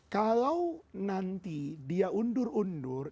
kalau nanti dia undur undur